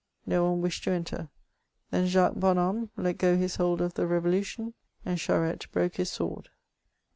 '' No one wished to enter ; then Jacques Banhomme let go his hold of the revolution, and Charette broke his sword.